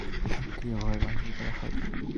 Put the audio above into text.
তার প্রশাসক অধিকার স্বয়ংক্রিয়ভাবে বাতিল করা হবে।